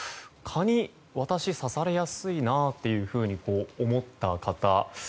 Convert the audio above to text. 蚊に私、刺されやすいなと思った方。